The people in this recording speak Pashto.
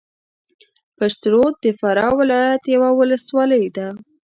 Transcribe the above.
پشترود د فراه ولایت یوه ولسوالۍ ده